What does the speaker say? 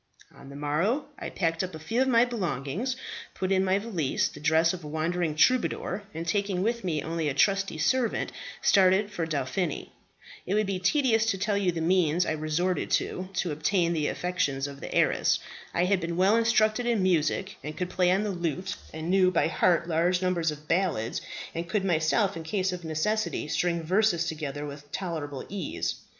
"On the morrow I packed up a few of my belongings, put in my valise the dress of a wandering troubadour, and taking with me only a trusty servant, started for Dauphiny. It would be tedious to tell you the means I resorted to to obtain the affections of the heiress. I had been well instructed in music and could play on the lute, and knew by heart large numbers of ballads, and could myself, in case of necessity, string verses together with tolerable ease.